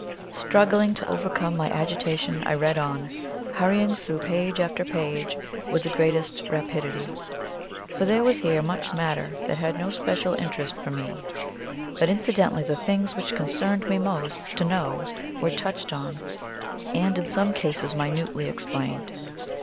Struggling to overcome my agitation I read on, hurrying through page after page with the greatest rapidity; for there was here much matter that had no special interest for me, but incidentally the things which concerned me most to know were touched on, and in some cases minutely explained.